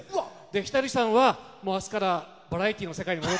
ひとりさんは、明日からバラエティーの世界に何でよ！